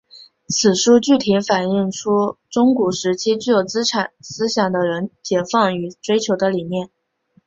此书具体反映出中古时期具有资产思想的人解放与追求的理念。